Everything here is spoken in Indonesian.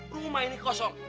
rumah ini kosong